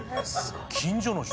近所の人